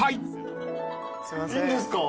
いいんですか。